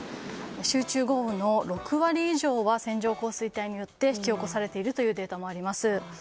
集中豪雨の６割以上は線状降水帯によって引き起こされているというデータもあります。